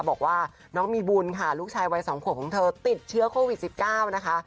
บอกว่าน้องมีบุญค่ะลูกชายวัย๒ขวบของเธอติดเชื้อโควิด๑๙นะคะ